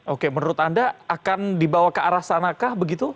oke menurut anda akan dibawa ke arah sanakah begitu